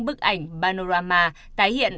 bức ảnh panorama tái hiện